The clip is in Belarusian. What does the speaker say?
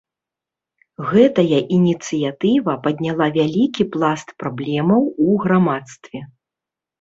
Гэтая ініцыятыва падняла вялікі пласт праблемаў у грамадстве.